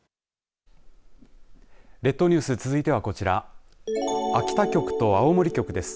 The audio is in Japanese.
列島ニュース続いてはこちら秋田局と青森局です。